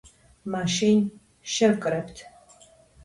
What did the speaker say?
მაშინ, შევკრებთ.